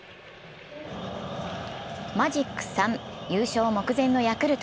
マジック３、優勝目前のヤクルト。